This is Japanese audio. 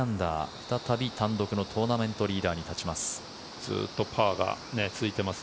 再び単独のトーナメントリーダーに立ちます。